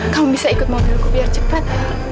kamu bisa ikut mobilku biar cepat